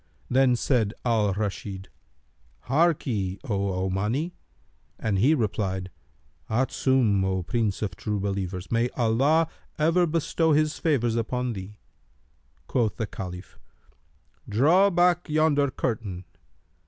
Then said Al Rashid, "Harkye, O Omani!" and he replied, "Adsum, O Prince of True Believers! May Allah ever bestow his favours upon thee!" Quoth the Caliph, "Draw back yonder curtain."